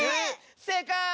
せいかい！